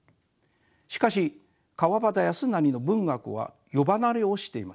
しかし川端康成の文学は世離れをしています。